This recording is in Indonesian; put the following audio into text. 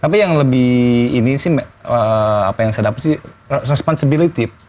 tapi yang lebih ini sih apa yang saya dapat sih responsibility